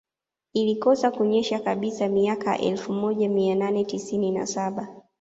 Ilikosa kunyesha kabisa miaka ya elfu moja mia nane tisini na saba